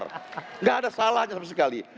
tidak ada salahnya sama sekali